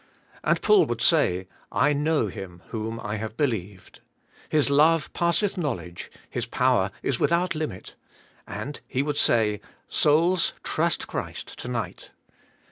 And Paul would say, *'I know Him whom I have beliered. His love passeth knowledge, His power is without limit, '* and He would say, Souls, trust Christ, to night."